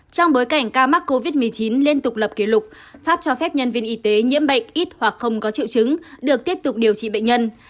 trong bối cảnh ca mắc covid một mươi chín liên tục lập kỷ lục pháp cho phép nhân viên y tế nhiễm bệnh ít hoặc không có triệu chứng được tiếp tục điều trị bệnh nhân